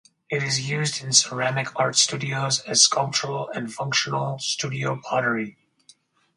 It is used in ceramic art studios as sculptural and functional studio pottery.